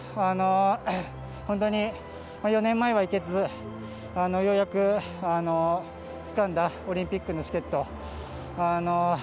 本当に、４年前はいけずようやくつかんだオリンピックのチケット。